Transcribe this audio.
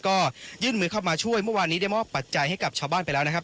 ก็ยื่นมือเข้ามาช่วยเมื่อวานนี้ได้มอบปัจจัยให้กับชาวบ้านไปแล้วนะครับ